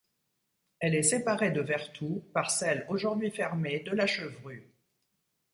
Elle est séparée de Vertou par celle aujourd’hui fermée de La Chevrue.